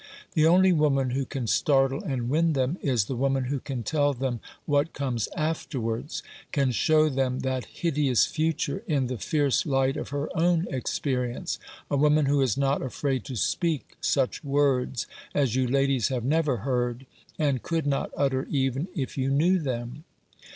The only woman who can startle and win them is the woman who can tell them what comes afterwards — can show them that hideous future in the fierce light of her own experience — a woman who is not afraid to speak such words as you ladies have never heard, and could not utter even if you knew them.